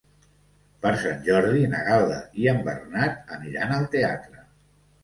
Per Sant Jordi na Gal·la i en Bernat aniran al teatre.